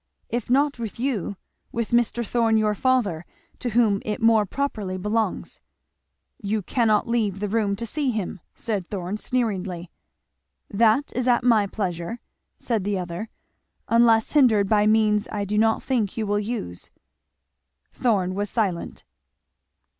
If not with you, with Mr. Thorn your father, to whom it more properly belongs." "You cannot leave the room to see him," said Thorn sneeringly. "That is at my pleasure," said the other, "unless hindered by means I do not think you will use." Thorn was silent.